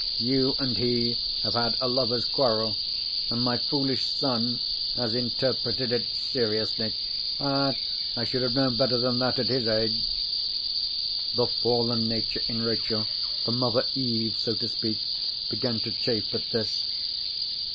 You and he have had a lovers' quarrel—and my foolish son has interpreted it seriously. Ah! I should have known better than that at his age." The fallen nature in Rachel—the mother Eve, so to speak—began to chafe at this.